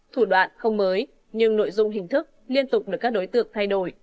thủ đoạn không mới nhưng nội dung hình thức liên tục được các đối tượng thay đổi